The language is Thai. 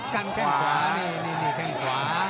กันแข้งขวานี่แข้งขวา